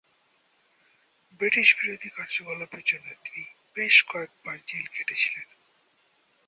ব্রিটিশবিরোধী কার্যকলাপের জন্য তিনি বেশ কয়েকবার জেল খেটেছিলেন।